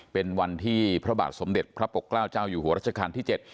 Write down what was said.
เป็นวันที่พระบาทสมเด็จพระปกเกล้าเจ้าอยู่หัวรัชกาลที่๗